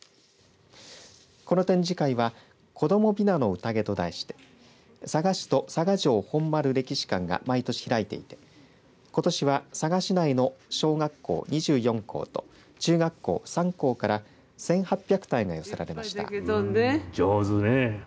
この展示会は子どもびなの宴と題して佐賀市と佐賀城本丸歴史館が毎年開いていてことしは佐賀市内の小学校２４校と中学校３校から１８００体が寄せられました。